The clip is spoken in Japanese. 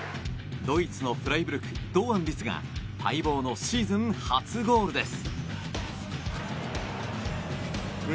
ドイツのフライブルク、堂安律が待望のシーズン初ゴールです。